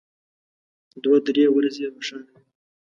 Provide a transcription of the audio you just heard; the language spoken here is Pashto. دوه درې ورځې روښانه وي.